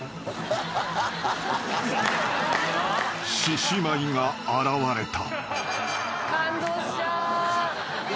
［獅子舞が現れた］